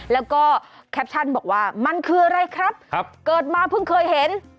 แล้วก็แคปชั่นบอกว่ามันคืออะไรครับเกิดมาเพิ่งเคยเห็น